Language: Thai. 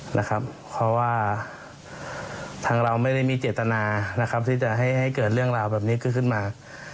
เพราะว่าทางเราไม่ได้มีเจตนานะครับที่จะให้เกิดเรื่องราวแบบนี้ขึ้นมา